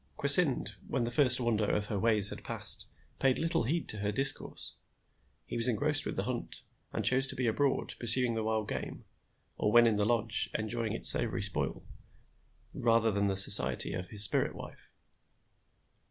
Kwasynd, when the first wonder of her ways had passed, paid little heed to her discourse; he was engrossed with the hunt, and chose to be abroad, pursuing the wild game, or when in the lodge, enjoying its savory spoil, rather than the society of his spirit wife.